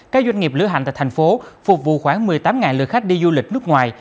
các doanh nghiệp lưu hành tại thành phố phục vụ khoảng một mươi tám lượt khách đi du lịch nước ngoài